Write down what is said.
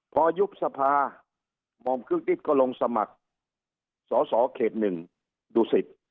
พอยุบสภาหม่อมคือกฤทธิ์ก็ลงสมัครส่อเขตหนึ่งดูสิทธิ์